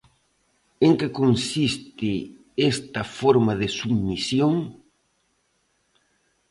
En que consiste esta forma de submisión?